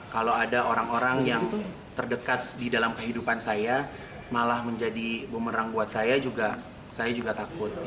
kalau ada orang orang yang terdekat di dalam kehidupan saya malah menjadi bumerang buat saya saya juga takut